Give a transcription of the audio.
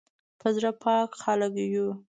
په زړه پاک خلک یو